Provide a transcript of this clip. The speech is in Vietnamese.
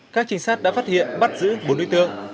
các trinh sát đã phát hiện bắt giữ bốn đối tượng